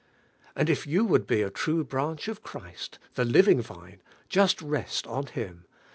And if yon would lie a true branch of Christ, the living Vine, just rest on Him.